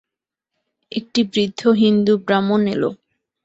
একটি বৃদ্ধ হিন্দু ব্রাহ্মণ এল।